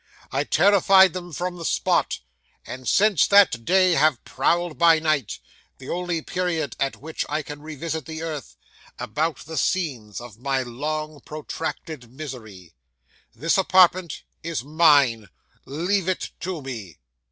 I terrified them from the spot, and since that day have prowled by night the only period at which I can revisit the earth about the scenes of my long protracted misery. This apartment is mine: leave it to me."